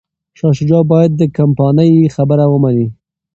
شاه شجاع باید د کمپانۍ خبره ومني.